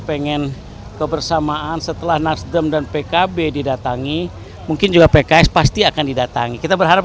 pengen kebersamaan setelah nasdem dan pkb didatangi mungkin juga pks pasti akan didatangi kita berharap